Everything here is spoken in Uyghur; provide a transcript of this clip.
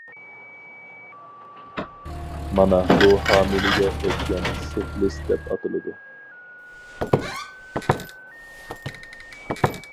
مانا بۇ ھامىلىگە ئۆتكەن سىفلىس دەپ ئاتىلىدۇ.